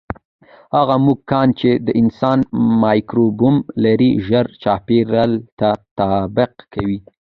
هغه موږکان چې د انسان مایکروبیوم لري، ژر چاپېریال ته تطابق کوي.